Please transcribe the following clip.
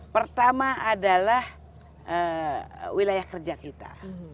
pertama adalah wilayah kerja kita